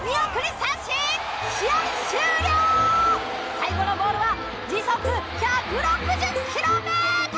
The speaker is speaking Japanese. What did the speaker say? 最後のボールは時速１６０ｋｍ！